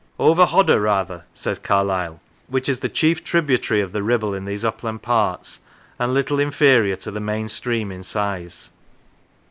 "Over Hodder 121 Q Lancashire rather," says Carlyle, " which is the chief tributary of the Kibble in these upland parts, and little inferior to the main stream in size.